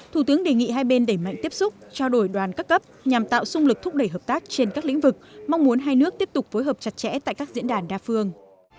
thủ tướng đề nghị hai bên đẩy mạnh tiếp xúc trao đổi đoàn các cấp nhằm tạo sung lực thúc đẩy hợp tác trên các lĩnh vực mong muốn hai nước tiếp tục phối hợp chặt chẽ tại các diễn đàn đa phương